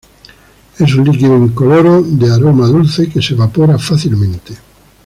Es un líquido incoloro de aroma dulce que se evapora fácilmente.